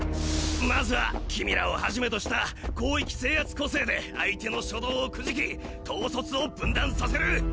まずは君らをはじめとした広域制圧個性で相手の初動を挫き統率を分断させる！